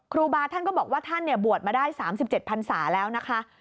ครูบาท่านก็บอกว่าท่านบวชมาได้๓๗พันศาแล้วนะคะ